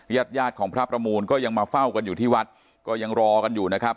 ญาติญาติของพระประมูลก็ยังมาเฝ้ากันอยู่ที่วัดก็ยังรอกันอยู่นะครับ